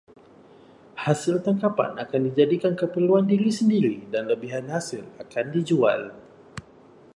Hasil tangkapan akan dijadikan keperluan diri sendiri dan lebihan hasil akan dijual.